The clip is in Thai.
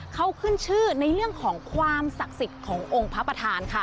เขาขึ้นชื่อในเรื่องของความศักดิ์สิทธิ์ขององค์พระประธานค่ะ